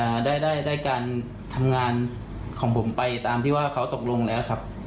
ได้ได้การทำงานของผมไปตามที่ว่าเขาตกลงแล้วครับ